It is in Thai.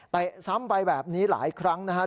ซ้ำไปแบบนี้หลายครั้งนะครับ